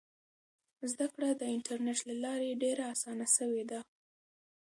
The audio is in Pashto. زده کړه د انټرنیټ له لارې ډېره اسانه سوې ده.